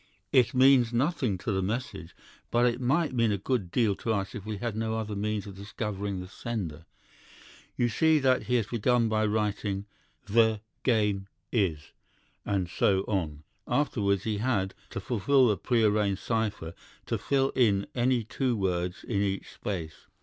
"'It means nothing to the message, but it might mean a good deal to us if we had no other means of discovering the sender. You see that he has begun by writing "The ... game ... is," and so on. Afterwards he had, to fulfill the prearranged cipher, to fill in any two words in each space.